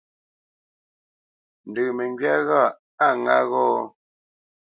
Ndə məŋgywá ghâʼ a ŋǎ gho?